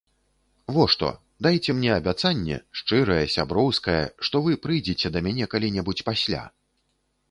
Во што, дайце мне абяцанне, шчырае, сяброўскае, што вы прыйдзеце да мяне калі-небудзь пасля.